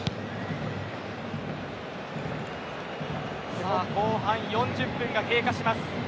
さあ、後半４０分が経過します。